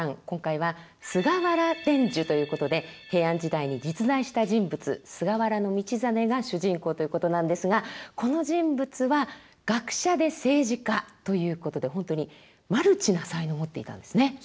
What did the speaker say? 今回は「菅原伝授」ということで平安時代に実在した人物菅原道真が主人公ということなんですがこの人物は学者で政治家ということで本当にマルチな才能を持っていたんですね。